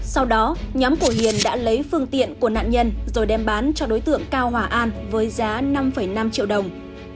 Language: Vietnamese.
sau đó nhóm của hiền đã lấy phương tiện của nạn nhân rồi đem bán cho đối tượng cao hòa an với giá năm năm triệu đồng